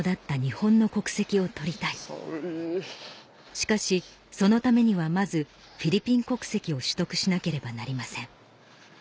しかしそのためにはまずフィリピン国籍を取得しなければなりません